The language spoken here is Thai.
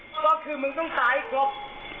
ก็คือมึงต้องตายครบ